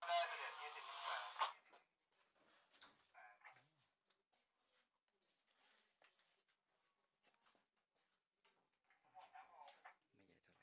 ใส่ไว้ครับประมาณ๒มิตรกว่าถึง